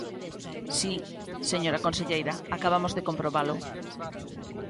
Si, señora conselleira, acabamos de comprobalo.